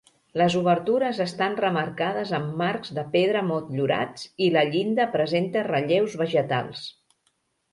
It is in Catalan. Les obertures estan remarcades amb marcs de pedra motllurats i la llinda presenta relleus vegetals.